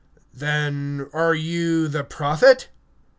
Art thou the Prophet?